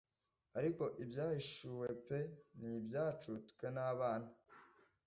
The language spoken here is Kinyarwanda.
ariko ibyahishuwe p ni ibyacu twe n abana